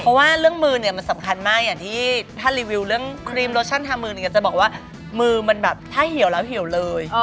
ถ้าเรื่องมือมันสำคัญมากที่ท่านรีวิวเรื่องครีมโลชั่นทามือจะบอกว่ามือมันแบบหิวแล้วเหิวเลย